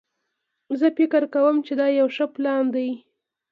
زه فکر کوم چې دا یو ښه پلان ده